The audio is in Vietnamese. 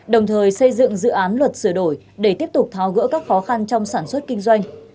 đồng thời xây dựng dự án luật sửa đổi để tiếp tục tháo gỡ các khó khăn trong sản xuất kinh doanh